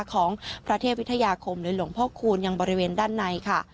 ของพระเทพวิทยาคมหรือหลวงพ่อคูณยังบริเวณด้านในค่ะ